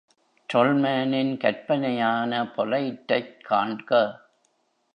Tollmann-ன் கற்பனையான பொலைட்டைக் காண்க.